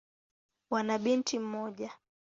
Wana binti mmoja.